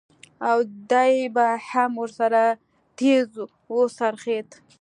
او دى به هم ورسره تېز وڅرخېد.